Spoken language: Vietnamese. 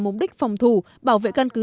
mục đích phòng thủ bảo vệ căn cứ